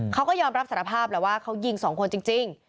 เขาก็ยอมรับสารภาพแหละว่าเขายิงสองคนจริง